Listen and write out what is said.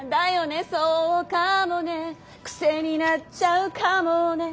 「そうかもねくせになっちゃうかもね」